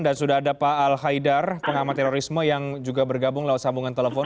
dan sudah ada pak al haidar pengamal terorisme yang juga bergabung lewat sambungan telepon